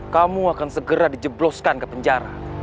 kamu akan segera dijebloskan ke penjara